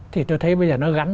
thì tôi thấy bây giờ nó gắn